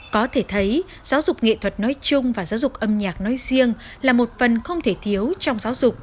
có thể thấy giáo dục nghệ thuật nói chung và giáo dục âm nhạc nói riêng là một phần không thể thiếu trong giáo dục